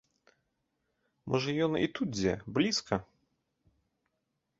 Можа ён і тут дзе, блізка!